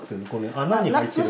穴に入ってる？